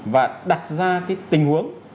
và đặt ra cái tình huống